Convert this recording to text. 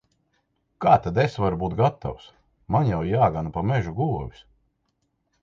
Kā tad es varu būt gatavs! Man jau jāgana pa mežu govis.